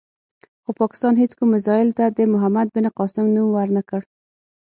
خو پاکستان هېڅ کوم میزایل ته د محمد بن قاسم نوم ور نه کړ.